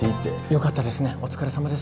良かったですねお疲れさまです。